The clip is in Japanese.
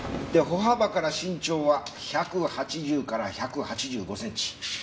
歩幅から身長は１８０から１８５センチ。